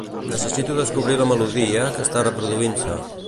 Necessito descobrir la melodia que està reproduint-se.